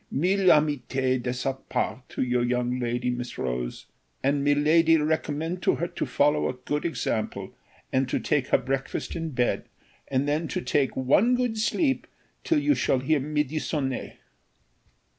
"Mille amitiés de sa part to your young lady, Miss Rose, and miladi recommend to her to follow a good example, and to take her breakfast in her bed, and then to take one good sleep till you shall hear midi sonné."